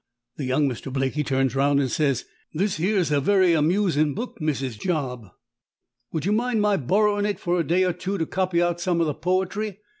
The young Mr. Blake he turns round and says, 'This here's a very amusin' book, Mrs. Job. Would you mind my borrowing it for a day or two to copy out some of the poetry?